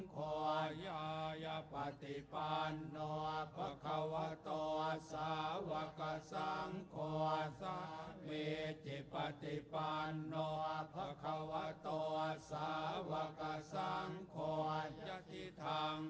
สารทิสันทะเทวะมนุนนางพุทธโทพักขวาธรรม